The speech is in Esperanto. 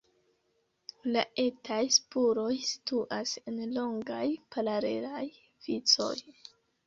La etaj spuroj situas en longaj, paralelaj vicoj.